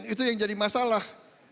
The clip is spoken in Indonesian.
itu yang jadi masalah